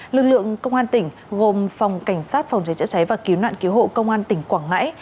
lực lượng công an tỉnh gồm phòng cảnh sát phòng cháy chữa cháy và cứu nạn cứu hộ công an tỉnh quảng ngãi